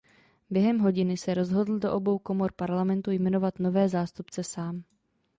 Během hodiny se rozhodl do obou komor parlamentu jmenovat nové zástupce sám.